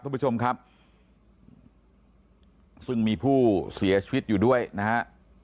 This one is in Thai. คุณผู้ชมครับซึ่งมีผู้เสียชีวิตอยู่ด้วยนะฮะ